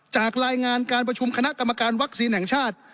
รายงานการประชุมคณะกรรมการวัคซีนแห่งชาติ